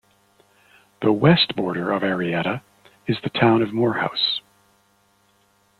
The west border of Arietta is the Town of Morehouse.